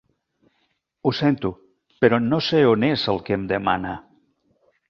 Ho sento, però no sé on és el que em demana.